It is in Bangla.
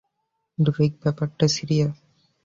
ড্রুইগ ব্যাপারটা সিরিয়াস।